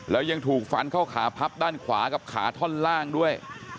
แล้วยังถูกฟันเข้าขาพับด้านขวากับขาท่อนล่างด้วย